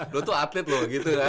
dulu tuh atlet loh gitu ya